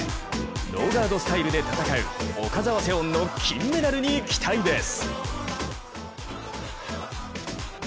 ノーガードスタイルで戦う岡澤セオンの金メダルに期待です。